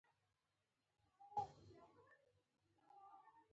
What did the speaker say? هلک د ژوند رڼا ده.